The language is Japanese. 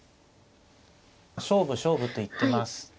勝負勝負といってます。